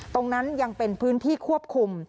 ตรงนั้นยังเป็นพื้นที่ควบคุม